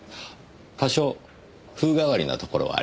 多少風変わりなところはありますが。